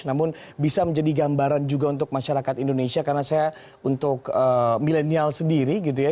namun bisa menjadi gambaran juga untuk masyarakat indonesia karena saya untuk milenial sendiri gitu ya